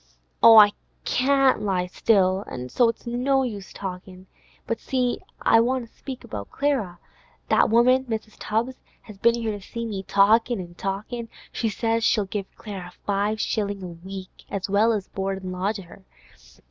'Oh, I can't lie still, so it's no use talkin'! But see, I want to speak about Clara. That woman Mrs. Tubbs has been here to see me, talkin' an' talkin'. She says she'll give Clara five shillin' a week, as well as board an' lodge her.